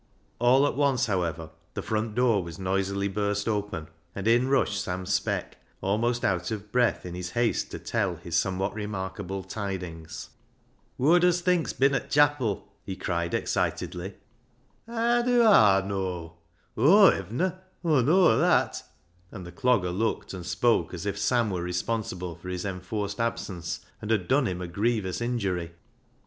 All at once, however, the front door was noisily burst open, and in rushed Sam Speck, almost out of breath in his haste to tell his somewhat remarkable tidinfrs. THE HAUNTED MAN 375 " Wot dust think ? Whoa dust think's bin at chapil ?" he cried excitedly. " Haa dew Aw knaaw ? A7i> hevna, Aw knaaw that," and the Clogger looked and spoke as if Sam were responsible for his enforced absence, and had done him a grievous injury.